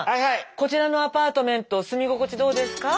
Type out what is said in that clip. こちらのアパートメント住み心地どうですか？